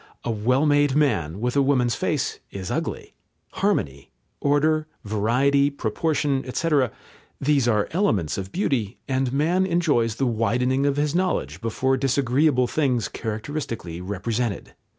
A well made man with a woman's face is ugly. Harmony, order, variety, proportion, etc. these are elements of beauty, and man enjoys the widening of his knowledge before disagreeable things characteristically represented.